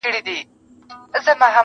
قاسم یار چي په ژړا کي په خندا سي,